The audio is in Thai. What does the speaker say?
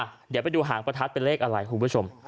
เดี๋ยวไปดูหางประทัดเป็นเลขอะไรคุณผู้ชม